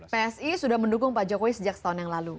psi sudah mendukung pak jokowi sejak setahun yang lalu